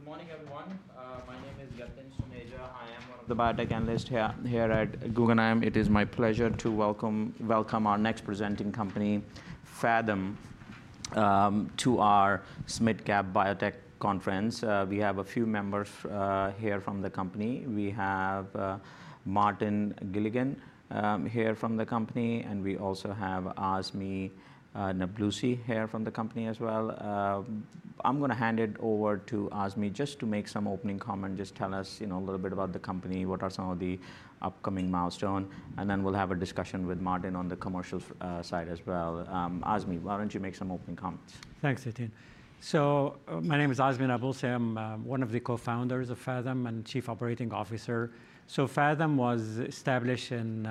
Good morning, everyone. My name is Yatin Suneja. I am one of the Biotech Analysts here at Guggenheim. It is my pleasure to welcome our next presenting company, Phathom, to our SMID Cap Biotech Conference. We have a few members here from the company. We have Martin Gilligan here from the company, and we also have Azmi Nabulsi here from the company as well. I'm going to hand it over to Azmi just to make some opening comments. Just tell us a little bit about the company, what are some of the upcoming milestones, and then we'll have a discussion with Martin on the commercial side as well. Azmi, why don't you make some opening comments? Thanks, Yatin. So my name is Azmi Nabulsi. I'm one of the Co-Founders of Phathom and Chief Operating Officer. So Phathom was established in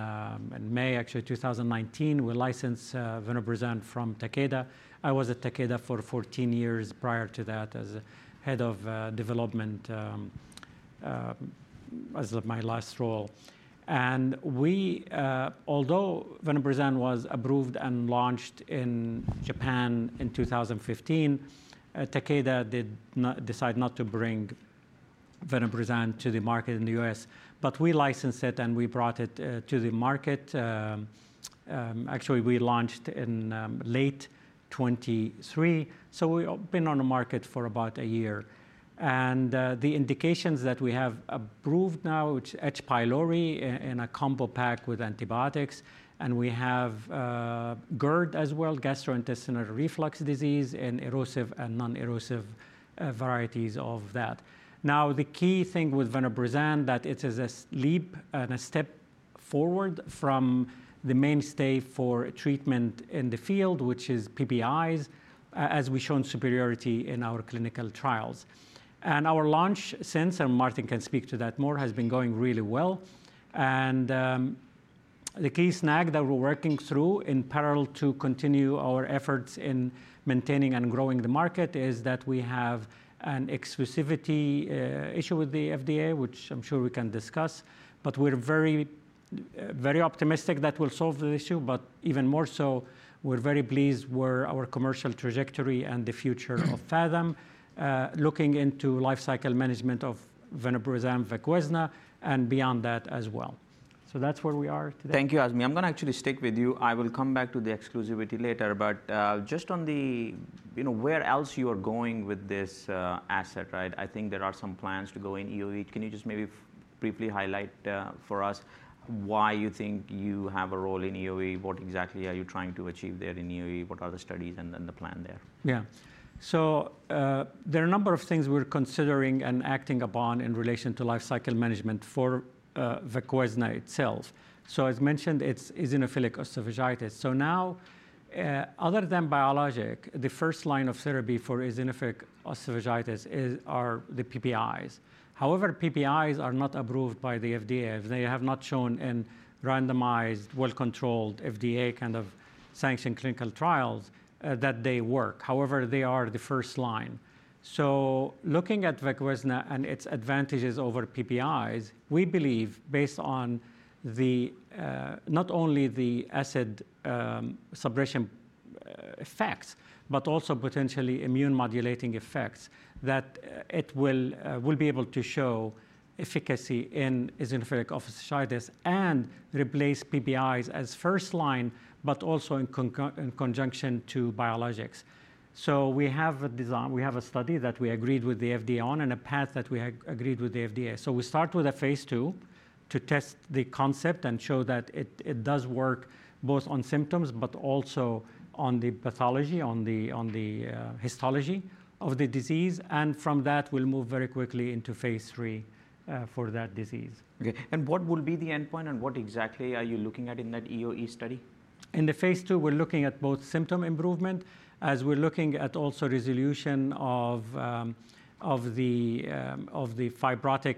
May, actually, 2019. We licensed vonoprazan from Takeda. I was at Takeda for 14 years prior to that as head of development, as my last role. And although vonoprazan was approved and launched in Japan in 2015, Takeda did not decide not to bring vonoprazan to the market in the U.S. But we licensed it, and we brought it to the market. Actually, we launched in late 2023. So we've been on the market for about a year. And the indications that we have approved now, which are H. pylori in a combo pack with antibiotics, and we have GERD as well, gastroesophageal reflux disease in erosive and non-erosive varieties of that. Now, the key thing with vonoprazan is that it is a leap and a step forward from the mainstay for treatment in the field, which is PPIs, as we've shown superiority in our clinical trials, and our launch since, and Martin can speak to that more, has been going really well. The key snag that we're working through in parallel to continue our efforts in maintaining and growing the market is that we have an exclusivity issue with the FDA, which I'm sure we can discuss. We're very optimistic that we'll solve the issue. Even more so, we're very pleased with our commercial trajectory and the future of Phathom, looking into lifecycle management of vonoprazan and VOQUEZNA, and beyond that as well. That's where we are today. Thank you, Azmi. I'm going to actually stick with you. I will come back to the exclusivity later. But just on where else you are going with this asset, right? I think there are some plans to go in EoE. Can you just maybe briefly highlight for us why you think you have a role in EoE? What exactly are you trying to achieve there in EoE? What are the studies and then the plan there? Yeah. So there are a number of things we're considering and acting upon in relation to lifecycle management for VOQUEZNA itself. So as mentioned, it's eosinophilic esophagitis. So now, other than biologic, the first line of therapy for eosinophilic esophagitis are the PPIs. However, PPIs are not approved by the FDA. They have not shown in randomized, well-controlled FDA kind of sanctioned clinical trials that they work. However, they are the first line. So looking at VOQUEZNA and its advantages over PPIs, we believe, based on not only the acid suppression effects, but also potentially immune-modulating effects, that it will be able to show efficacy in eosinophilic esophagitis and replace PPIs as first line, but also in conjunction to biologics. So we have a study that we agreed with the FDA on and a path that we agreed with the FDA. So we start with a phase II to test the concept and show that it does work both on symptoms, but also on the pathology, on the histology of the disease. And from that, we'll move very quickly into phase III for that disease. OK. And what will be the endpoint, and what exactly are you looking at in that EoE study? In the phase II, we're looking at both symptom improvement, as we're looking at also resolution of the fibrotic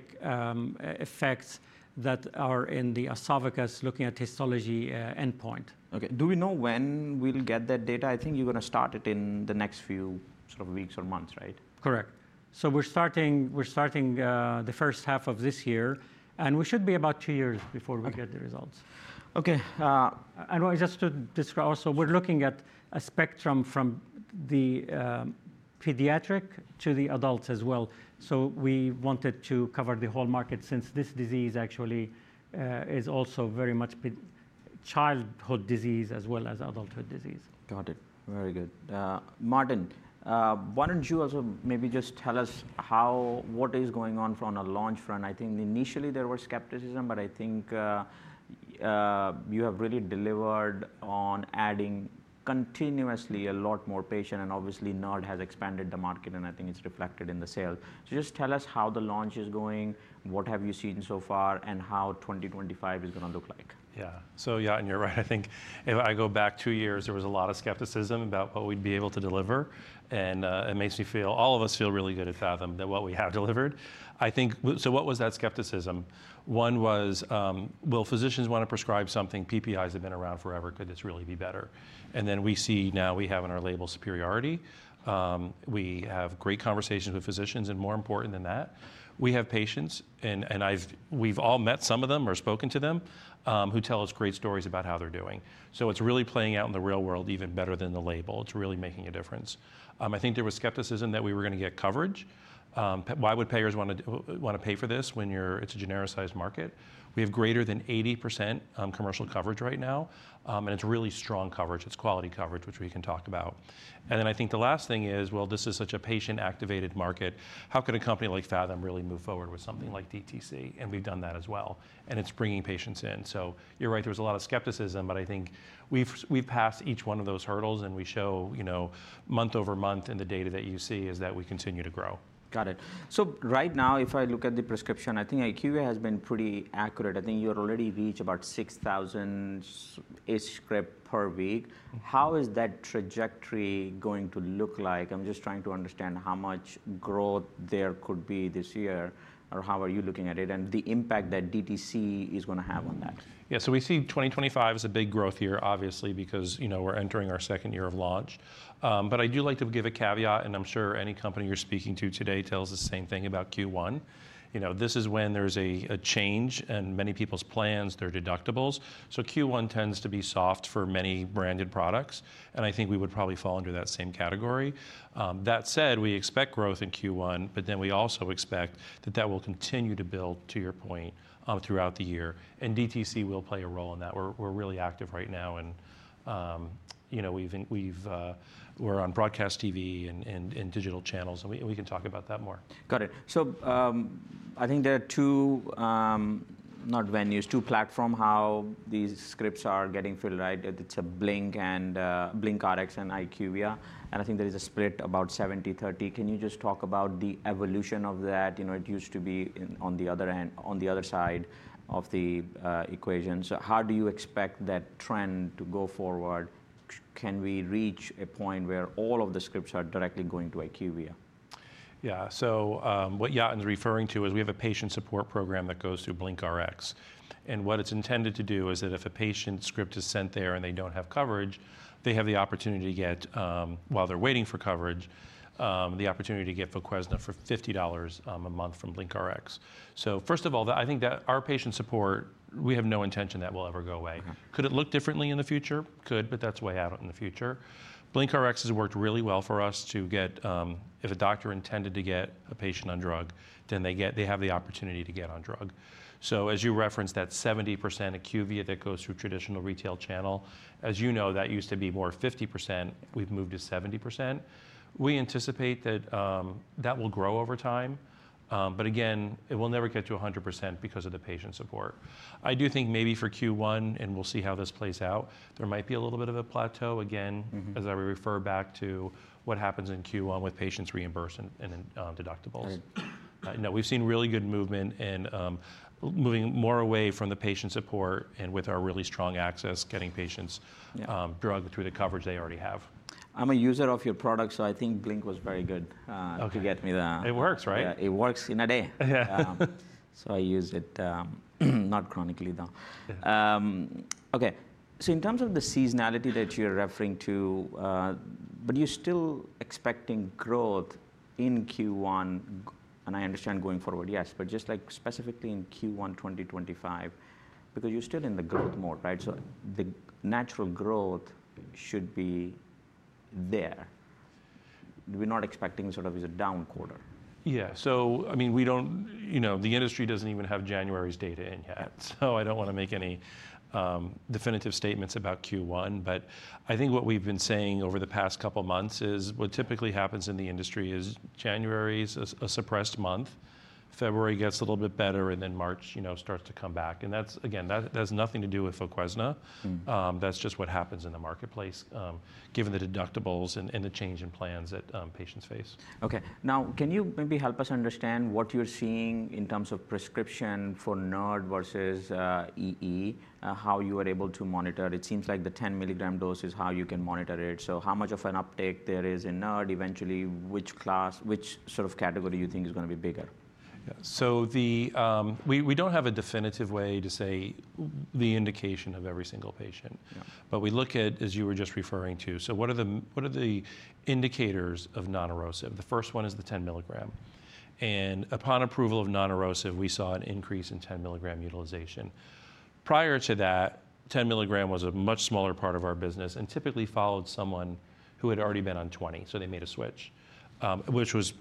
effects that are in the esophagus, looking at histology endpoint. OK. Do we know when we'll get that data? I think you're going to start it in the next few sort of weeks or months, right? Correct. So we're starting the first half of this year. And we should be about two years before we get the results. OK. And just to describe, so we're looking at a spectrum from the pediatric to the adults as well. So we wanted to cover the whole market since this disease actually is also very much a childhood disease as well as adulthood disease. Got it. Very good. Martin, why don't you also maybe just tell us what is going on from a launch front? I think initially, there was skepticism, but I think you have really delivered on adding continuously a lot more patients. And obviously, NERD has expanded the market, and I think it's reflected in the sales. So just tell us how the launch is going, what have you seen so far, and how 2025 is going to look like? Yeah. So yeah, and you're right. I think if I go back two years, there was a lot of skepticism about what we'd be able to deliver. And it makes me feel all of us feel really good at Phathom that what we have delivered. I think so what was that skepticism? One was, will physicians want to prescribe something? PPIs have been around forever. Could this really be better? And then we see now we have in our label superiority. We have great conversations with physicians. And more important than that, we have patients. And we've all met some of them or spoken to them who tell us great stories about how they're doing. So it's really playing out in the real world even better than the label. It's really making a difference. I think there was skepticism that we were going to get coverage. Why would payers want to pay for this when it's a genericized market? We have greater than 80% commercial coverage right now, and it's really strong coverage. It's quality coverage, which we can talk about, and then I think the last thing is, well, this is such a patient-activated market. How could a company like Phathom really move forward with something like DTC, and we've done that as well. And it's bringing patients in, so you're right. There was a lot of skepticism, but I think we've passed each one of those hurdles, and we show month over month in the data that you see is that we continue to grow. Got it. So right now, if I look at the prescription, I think IQVIA has been pretty accurate. I think you already reach about 6,000-ish scripts per week. How is that trajectory going to look like? I'm just trying to understand how much growth there could be this year, or how are you looking at it, and the impact that DTC is going to have on that? Yeah. So we see 2025 as a big growth year, obviously, because we're entering our second year of launch. But I do like to give a caveat. And I'm sure any company you're speaking to today tells the same thing about Q1. This is when there's a change, and many people's plans, their deductibles. So Q1 tends to be soft for many branded products. And I think we would probably fall under that same category. That said, we expect growth in Q1. But then we also expect that that will continue to build, to your point, throughout the year. And DTC will play a role in that. We're really active right now. And we're on broadcast TV and digital channels. And we can talk about that more. Got it. So I think there are two main venues, two platforms how these scripts are getting filled, right? It's BlinkRx and IQVIA. And I think there is a split about 70%/30%. Can you just talk about the evolution of that? It used to be on the other side of the equation. So how do you expect that trend to go forward? Can we reach a point where all of the scripts are directly going to IQVIA? Yeah. So what Yatin's referring to is we have a patient support program that goes through BlinkRx. And what it's intended to do is that if a patient's script is sent there and they don't have coverage, they have the opportunity to get, while they're waiting for coverage, the opportunity to get VOQUEZNA for $50 a month from BlinkRx. So first of all, I think that our patient support, we have no intention that will ever go away. Could it look differently in the future? Could, but that's way out in the future. BlinkRx has worked really well for us to get if a doctor intended to get a patient on drug, then they have the opportunity to get on drug. So as you referenced, that 70% IQVIA that goes through traditional retail channel, as you know, that used to be more 50%. We've moved to 70%. We anticipate that that will grow over time. But again, it will never get to 100% because of the patient support. I do think maybe for Q1, and we'll see how this plays out, there might be a little bit of a plateau again, as I refer back to what happens in Q1 with patients' reimbursement and deductibles. Right. No, we've seen really good movement in moving more away from the patient support and with our really strong access, getting patients' drug through the coverage they already have. I'm a user of your product. So I think Blink was very good to get me the. It works, right? Yeah. It works in a day. Yeah. So I use it not chronically, though. OK. So in terms of the seasonality that you're referring to, but you're still expecting growth in Q1. And I understand going forward, yes. But just specifically in Q1 2025, because you're still in the growth mode, right? So the natural growth should be there. We're not expecting sort of a down quarter. Yeah. So I mean, the industry doesn't even have January's data in yet. So I don't want to make any definitive statements about Q1. But I think what we've been saying over the past couple of months is what typically happens in the industry is January's a suppressed month. February gets a little bit better, and then March starts to come back. And that's, again, that has nothing to do with VOQUEZNA. That's just what happens in the marketplace, given the deductibles and the change in plans that patients face. OK. Now, can you maybe help us understand what you're seeing in terms of prescription for NERD versus EE, how you are able to monitor? It seems like the 10 mg dose is how you can monitor it. So how much of an uptake there is in NERD eventually, which sort of category you think is going to be bigger? Yeah. So we don't have a definitive way to say the indication of every single patient. But we look at, as you were just referring to, so what are the indicators of non-erosive? The first one is the 10 mg. And upon approval of non-erosive, we saw an increase in 10 mg utilization. Prior to that, 10 mg was a much smaller part of our business and typically followed someone who had already been on 20 mg. So they made a switch, which was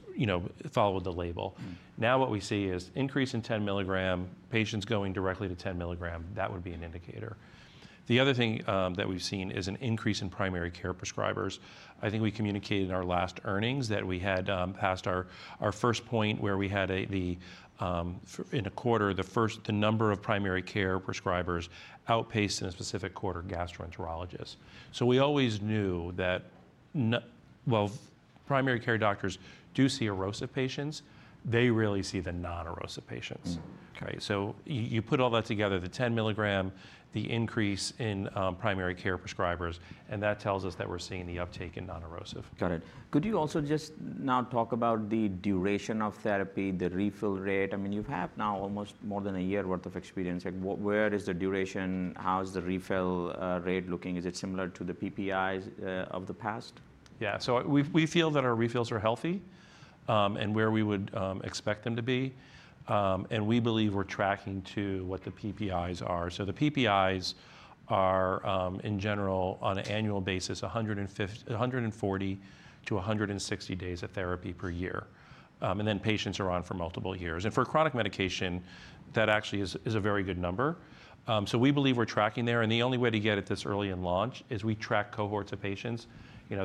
followed the label. Now what we see is an increase in 10 mg, patients going directly to 10 mg. That would be an indicator. The other thing that we've seen is an increase in primary care prescribers. I think we communicated in our last earnings that we had passed our first point where we had, in a quarter, the number of primary care prescribers outpaced, in a specific quarter, gastroenterologists. So we always knew that, well, primary care doctors do see erosive patients. They really see the non-erosive patients. So you put all that together, the 10 mg, the increase in primary care prescribers. And that tells us that we're seeing the uptake in non-erosive. Got it. Could you also just now talk about the duration of therapy, the refill rate? I mean, you have now almost more than a year's worth of experience. Where is the duration? How is the refill rate looking? Is it similar to the PPIs of the past? Yeah. So we feel that our refills are healthy and where we would expect them to be. And we believe we're tracking to what the PPIs are. So the PPIs are, in general, on an annual basis, 140 to 160 days of therapy per year. And then patients are on for multiple years. And for chronic medication, that actually is a very good number. So we believe we're tracking there. And the only way to get at this early in launch is we track cohorts of patients.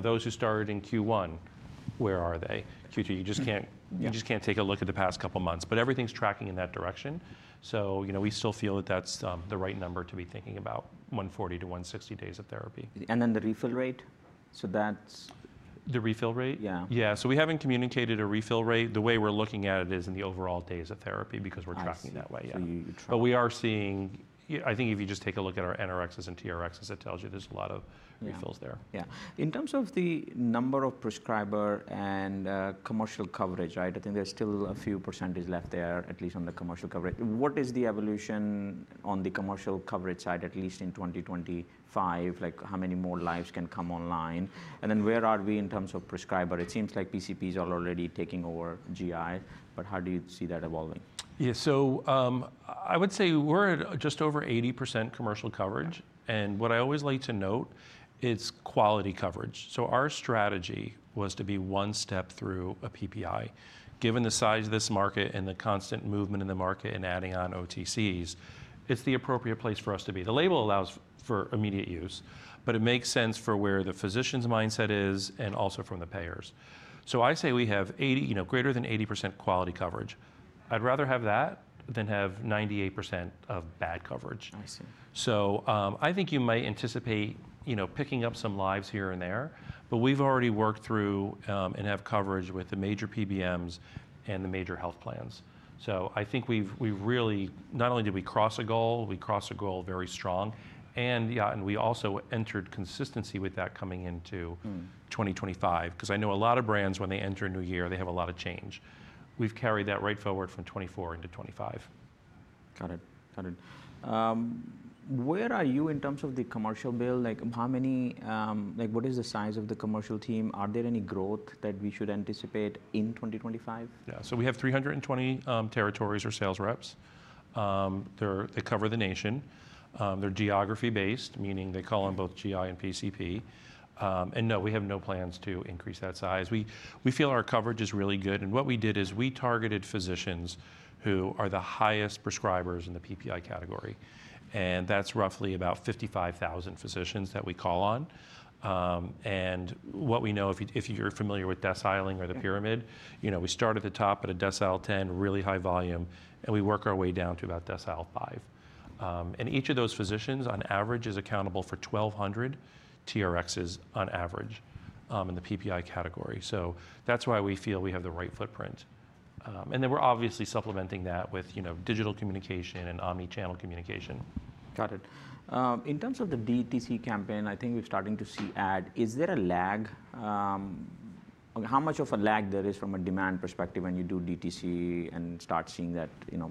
Those who started in Q1, where are they? Q2. You just can't take a look at the past couple of months. But everything's tracking in that direction. So we still feel that that's the right number to be thinking about, 140 to 160 days of therapy. And then the refill rate? So that's. The refill rate? Yeah. Yeah. So we haven't communicated a refill rate. The way we're looking at it is in the overall days of therapy because we're tracking that way. Tracking. We are seeing, I think, if you just take a look at our NRXs and TRXs, it tells you there's a lot of refills there. Yeah. In terms of the number of prescribers and commercial coverage, right? I think there's still a few percentages left there, at least on the commercial coverage. What is the evolution on the commercial coverage side, at least in 2025? How many more lives can come online? And then where are we in terms of prescribers? It seems like PCPs are already taking over GI. But how do you see that evolving? Yeah, so I would say we're at just over 80% commercial coverage, and what I always like to note is quality coverage. Our strategy was to be one step through a PPI. Given the size of this market and the constant movement in the market and adding on OTCs, it's the appropriate place for us to be. The label allows for immediate use. But it makes sense for where the physician's mindset is and also from the payers. I say we have greater than 80% quality coverage. I'd rather have that than have 98% of bad coverage. I see. So I think you might anticipate picking up some lives here and there. But we've already worked through and have coverage with the major PBMs and the major health plans. So I think we've really not only did we cross a goal, we crossed a goal very strong. And we also entered consistency with that coming into 2025. Because I know a lot of brands, when they enter a new year, they have a lot of change. We've carried that right forward from 2024 into 2025. Got it. Got it. Where are you in terms of the commercial build? What is the size of the commercial team? Are there any growth that we should anticipate in 2025? Yeah. So we have 320 territories or sales reps. They cover the nation. They're geography-based, meaning they call on both GI and PCP. And no, we have no plans to increase that size. We feel our coverage is really good. And what we did is we targeted physicians who are the highest prescribers in the PPI category. And that's roughly about 55,000 physicians that we call on. And what we know, if you're familiar with deciling or the pyramid, we start at the top at a decile 10, really high volume. And we work our way down to about decile 5. And each of those physicians, on average, is accountable for 1,200 TRXs on average in the PPI category. So that's why we feel we have the right footprint. And then we're obviously supplementing that with digital communication and omnichannel communication. Got it. In terms of the DTC campaign, I think we're starting to see ads. Is there a lag? How much of a lag there is from a demand perspective when you do DTC and start seeing that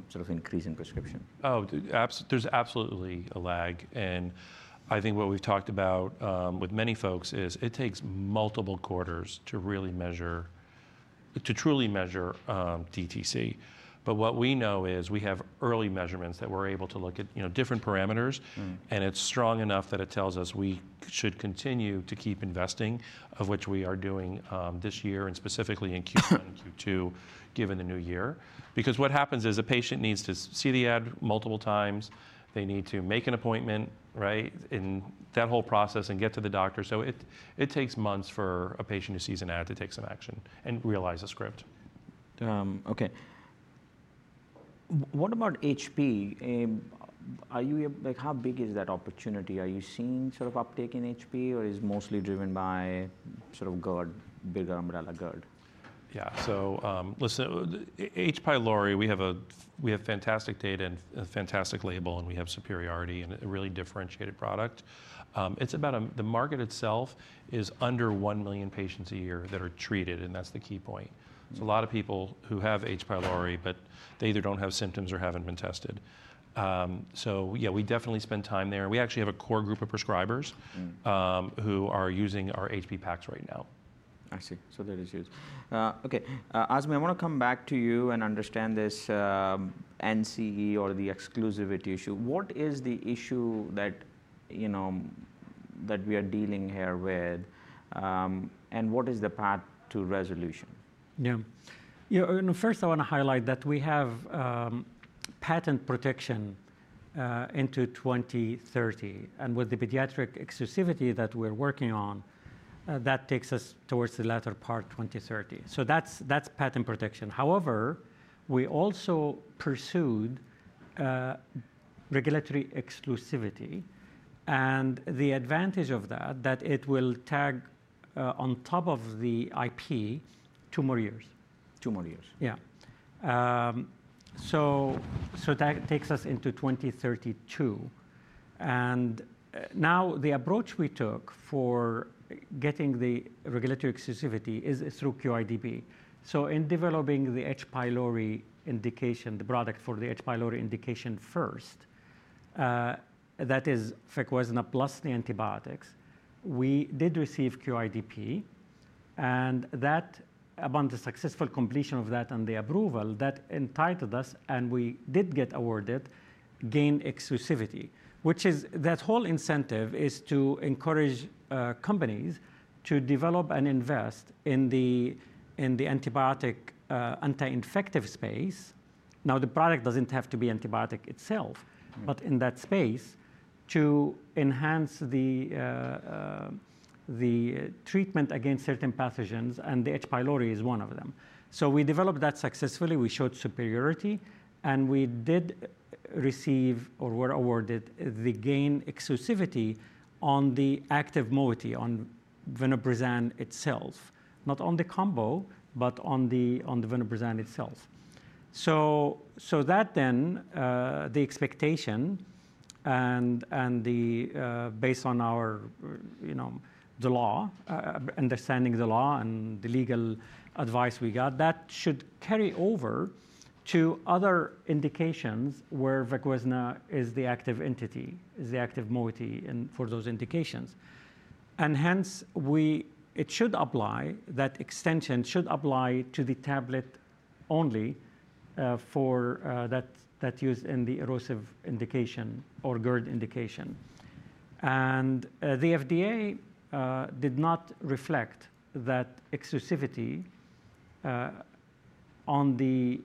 sort of increase in prescription? Oh, there's absolutely a lag, and I think what we've talked about with many folks is it takes multiple quarters to truly measure DTC, but what we know is we have early measurements that we're able to look at different parameters, and it's strong enough that it tells us we should continue to keep investing, of which we are doing this year and specifically in Q1 and Q2, given the new year, because what happens is a patient needs to see the ad multiple times. They need to make an appointment, right, in that whole process and get to the doctor, so it takes months for a patient who sees an ad to take some action and realize a script. OK. What about HP? How big is that opportunity? Are you seeing sort of uptake in HP? Or is it mostly driven by sort of GERD, bigger umbrella GERD? Yeah. So listen, H. pylori, we have fantastic data and a fantastic label. And we have superiority and a really differentiated product. The market itself is under one million patients a year that are treated. And that's the key point. So a lot of people who have H. pylori, but they either don't have symptoms or haven't been tested. So yeah, we definitely spend time there. And we actually have a core group of prescribers who are using our H. pylori packs right now. I see. So there is use. OK. Azmi, I want to come back to you and understand this NCE or the exclusivity issue. What is the issue that we are dealing here with? And what is the path to resolution? Yeah. First, I want to highlight that we have patent protection into 2030. And with the pediatric exclusivity that we're working on, that takes us towards the latter part, 2030. So that's patent protection. However, we also pursued regulatory exclusivity. And the advantage of that, that it will tag on top of the IP two more years. Two more years. Yeah. So that takes us into 2032, and now the approach we took for getting the regulatory exclusivity is through QIDP, so in developing the H. pylori indication, the product for the H. pylori indication first, that is VOQUEZNA plus the antibiotics, we did receive QIDP, and among the successful completion of that and the approval, that entitled us, and we did get awarded GAIN exclusivity. Which is that whole incentive is to encourage companies to develop and invest in the antibiotic anti-infective space. Now, the product doesn't have to be antibiotic itself, but in that space to enhance the treatment against certain pathogens, and the H. pylori is one of them, so we developed that successfully. We showed superiority, and we did receive or were awarded the GAIN exclusivity on the active moiety, on vonoprazan itself. Not on the combo, but on the vonoprazan itself. So that, then, the expectation and based on the law, understanding the law and the legal advice we got, that should carry over to other indications where VOQUEZNA is the active entity, is the active moiety for those indications. And hence, it should apply that extension should apply to the tablet only for that used in the erosive indication or GERD indication. And the FDA did not reflect that exclusivity on the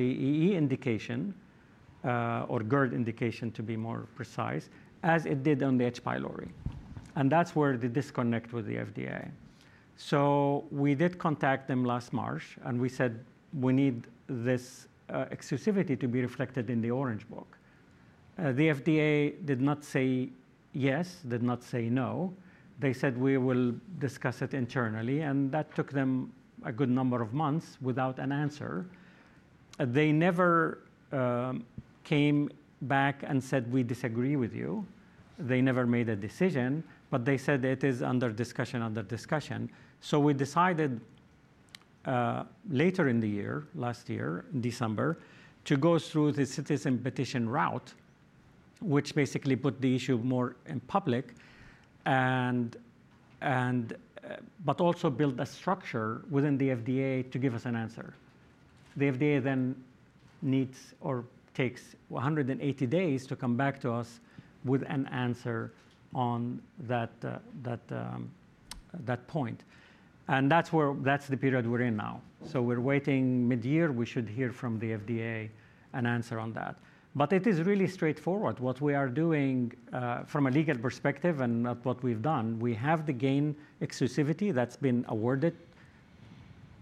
EE indication or GERD indication, to be more precise, as it did on the H. pylori. And that's where the disconnect with the FDA. We did contact them last March. And we said we need this exclusivity to be reflected in the Orange Book. The FDA did not say yes, did not say no. They said we will discuss it internally. And that took them a good number of months without an answer. They never came back and said, "We disagree with you." They never made a decision. But they said it is under discussion, under discussion. So we decided later in the year, last year, December, to go through the Citizen Petition route, which basically put the issue more in public, but also built a structure within the FDA to give us an answer. The FDA then needs or takes 180 days to come back to us with an answer on that point, and that's the period we're in now, so we're waiting mid-year. We should hear from the FDA an answer on that, but it is really straightforward. What we are doing from a legal perspective and what we've done, we have the GAIN exclusivity that's been awarded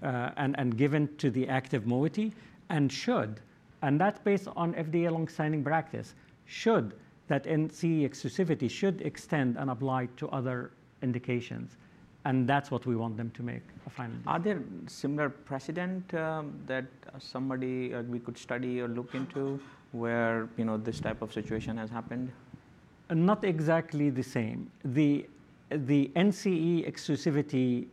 and given to the active moiety and should, and that's based on FDA longstanding practice, should that NCE exclusivity should extend and apply to other indications, and that's what we want them to make a final decision. Are there similar precedents that somebody we could study or look into where this type of situation has happened? Not exactly the same. The NCE exclusivity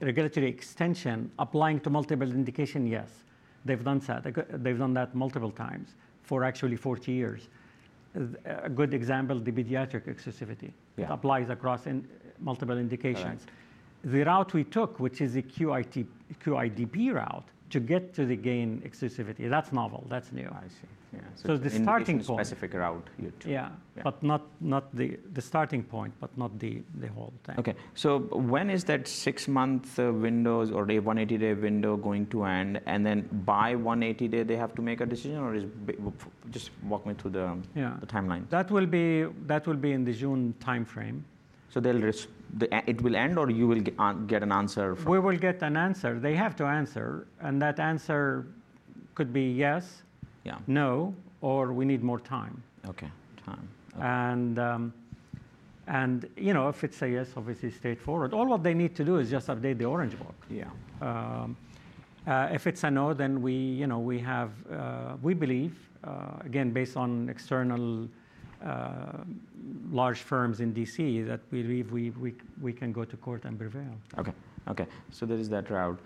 regulatory extension applying to multiple indications, yes. They've done that multiple times for actually 40 years. A good example, the pediatric exclusivity. It applies across multiple indications. The route we took, which is the QIDP route, to get to the GAIN exclusivity, that's novel. That's new. I see. The starting point. So it's a specific route. Yeah. But not the starting point, but not the whole thing. OK. So when is that six-month window or the 180-day window going to end? And then by 180 day, they have to make a decision? Or just walk me through the timeline? That will be in the June time frame. So it will end, or you will get an answer? We will get an answer. They have to answer. And that answer could be yes, no, or we need more time. OK. Time. And if it's a yes, obviously straightforward. All what they need to do is just update the Orange Book. Yeah. If it's a no, then we believe, again, based on external large firms in D.C., that we believe we can go to court and prevail. OK. So there is that route.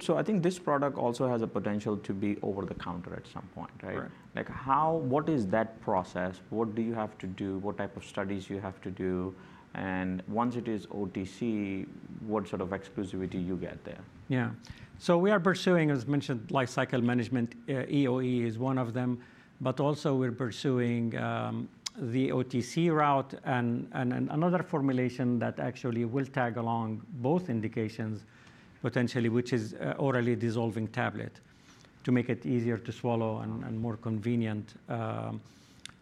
So I think this product also has a potential to be over the counter at some point, right? Right. What is that process? What do you have to do? What type of studies do you have to do? And once it is OTC, what sort of exclusivity do you get there? Yeah, so we are pursuing, as mentioned, lifecycle management. EoE is one of them. But also, we're pursuing the OTC route and another formulation that actually will tag along both indications, potentially, which is orally disintegrating tablet to make it easier to swallow and more convenient.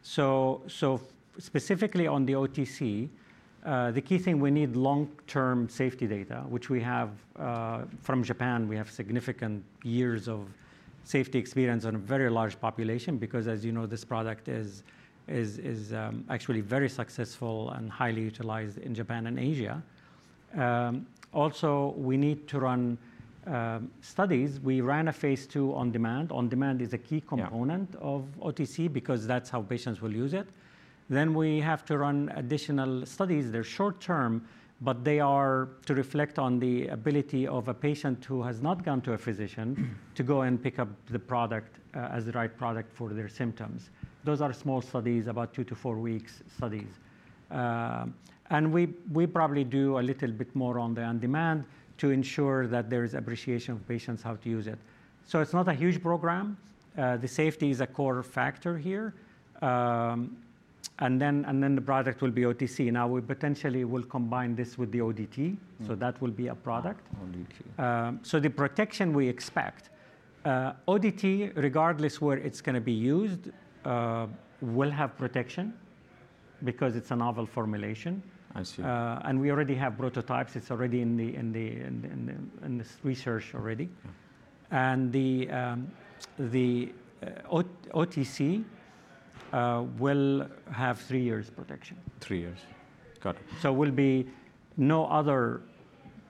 So specifically on the OTC, the key thing we need is long-term safety data, which we have from Japan. We have significant years of safety experience on a very large population. Because as you know, this product is actually very successful and highly utilized in Japan and Asia. Also, we need to run studies. We ran a phase II on demand. On demand is a key component of OTC because that's how patients will use it, then we have to run additional studies. They're short term, but they are to reflect on the ability of a patient who has not gone to a physician to go and pick up the product as the right product for their symptoms. Those are small studies, about two to four weeks' studies. And we probably do a little bit more on the on demand to ensure that there is appreciation of patients how to use it. So it's not a huge program. The safety is a core factor here. And then the product will be OTC. Now, we potentially will combine this with the ODT. So that will be a product. ODT. The protection we expect, ODT, regardless where it's going to be used, will have protection because it's a novel formulation. I see. We already have prototypes. It's already in this research already. The OTC will have three years' protection. Three years. Got it. So no other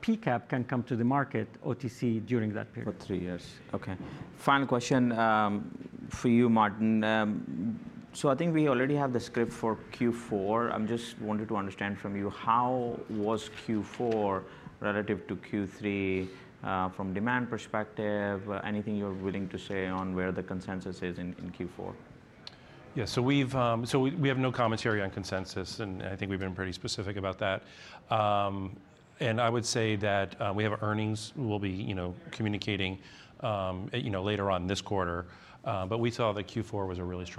PCAB can come to the market OTC during that period. For three years. OK. Final question for you, Martin. So I think we already have the script for Q4. I just wanted to understand from you, how was Q4 relative to Q3 from a demand perspective? Anything you're willing to say on where the consensus is in Q4? Yeah. So we have no commentary on consensus. And I think we've been pretty specific about that. And I would say that we have earnings. We'll be communicating later on this quarter. But we saw that Q4 was a really strong.